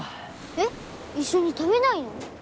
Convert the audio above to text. えっ一緒に食べないの？